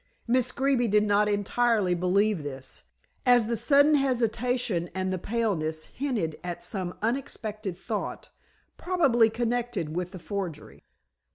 Miss Greeby did not entirely believe this, as the sudden hesitation and the paleness hinted at some unexpected thought, probably connected with the forgery.